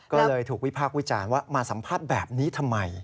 ก็เลยถูกวิพากษ์วิจารณ์ว่ามาสัมภาษณ์แบบนี้ทำไม